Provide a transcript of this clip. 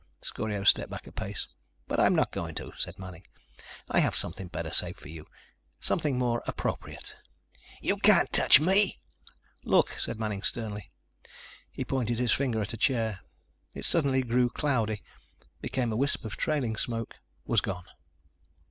Scorio stepped back a pace. "But I'm not going to," said Manning. "I have something better saved for you. Something more appropriate." "You can't touch me!" "Look," said Manning sternly. He pointed his finger at a chair. It suddenly grew cloudy, became a wisp of trailing smoke, was gone.